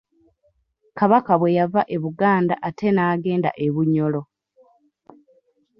Kabaka bwe yava e Buganda ate n'agenda e Bunyoro.